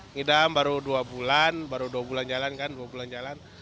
ngidam baru dua bulan baru dua bulan jalan kan dua bulan jalan